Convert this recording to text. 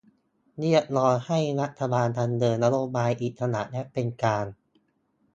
เรียกร้องให้รัฐบาลดำเนินนโยบายอิสระและเป็นกลาง